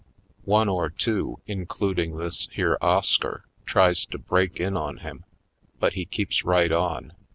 One or two, including this here Oscar, tries to break in on him but he keeps right on.